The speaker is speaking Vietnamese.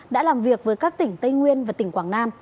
đã làm việc với các tỉnh tây nguyên và tỉnh quảng nam